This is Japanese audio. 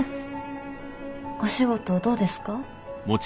お仕事どうですか？